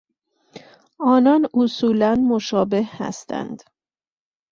آنان اصولا مشابه هستند.